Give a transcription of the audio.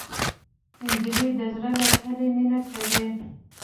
نجلۍ د زړه له تله مینه کوي.